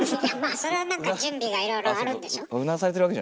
それはなんか準備がいろいろあるんでしょ。